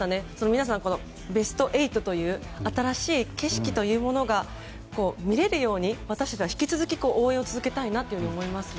皆さん、ベスト８という新しい景色というものが見れるように私たちは引き続き応援を続けたいなと思いますね。